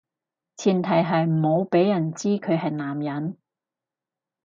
前提係唔好畀人知佢係男人